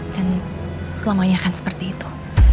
dan selamanya akan seperti itu